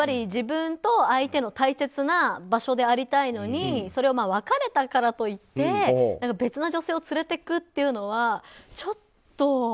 自分と相手の大切な場所でありたいのにそれを別れたからといって別の女性を連れていくってのはちょっと。